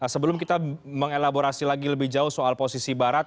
sebelum kita mengelaborasi lagi lebih jauh soal posisi barat